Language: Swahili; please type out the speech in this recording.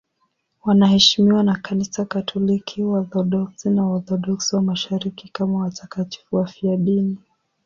Wanaheshimiwa na Kanisa Katoliki, Waorthodoksi na Waorthodoksi wa Mashariki kama watakatifu wafiadini.